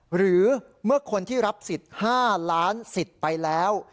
หรือเมื่อคนที่รับสิทธิ์๕ล้านสิทธิ์ไปแล้ว